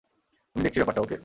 আমি দেখছি ব্যাপারটা, ওকে।